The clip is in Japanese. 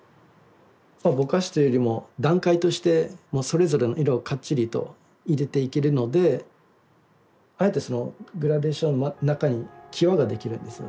まあぼかしというよりも段階としてそれぞれの色をかっちりと入れていけるのであえてそのグラデーションの中にキワが出来るんですよね。